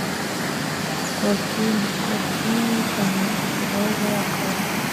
cositime(costume) y’ipantalo n’ijipo aho biba ari akarusho